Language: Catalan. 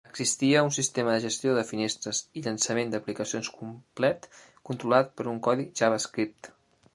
Existia un sistema de gestió de finestres i llançament de aplicacions complet controlat per codi JavaScript.